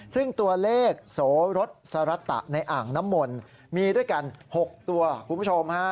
ซึ่งตัวเลขโสรสสรตะในอ่างน้ำมนต์มีด้วยกัน๖ตัวคุณผู้ชมฮะ